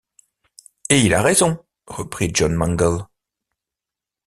Et il a raison, reprit John Mangles.